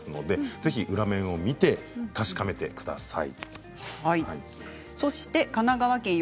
ぜひ裏面を見て確かめてください。